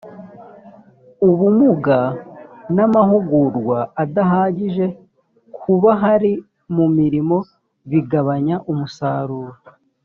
ubumuga n’ amahugurwa adahagije ku bahari mu milimo bigabanya umusaruro